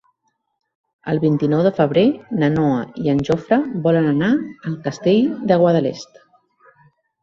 El vint-i-nou de febrer na Noa i en Jofre volen anar al Castell de Guadalest.